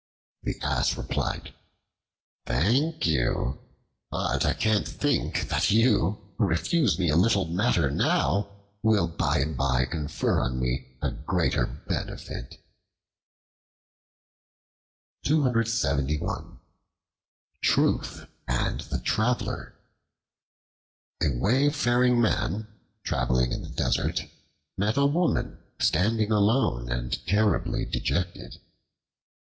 The Ass replied, "Thank you. But I can't think that you, who refuse me a little matter now, will by and by confer on me a greater benefit." Truth and the Traveler A WAYFARING MAN, traveling in the desert, met a woman standing alone and terribly dejected.